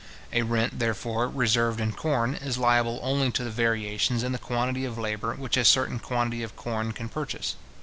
A rent, therefore, reserved in corn, is liable only to the variations in the quantity of labour which a certain quantity of corn can purchase.